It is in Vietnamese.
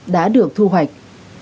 đã được thu hoạch